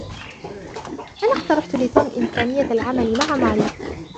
أنا اقترحت لتوم إمكانية العمل مع ماري.